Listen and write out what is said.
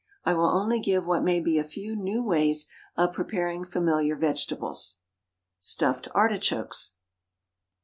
I will only give what may be a few new ways of preparing familiar vegetables. _Stuffed Artichokes.